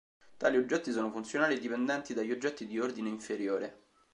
Tali oggetti sono funzionali e dipendenti dagli oggetti di ordine inferiore.